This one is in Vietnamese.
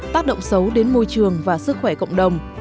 tác động xấu đến môi trường và sức khỏe cộng đồng